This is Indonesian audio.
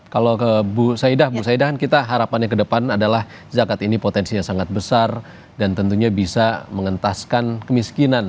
kalau ke bu saidah bu saidah kita harapannya ke depan adalah zakat ini potensinya sangat besar dan tentunya bisa mengentaskan kemiskinan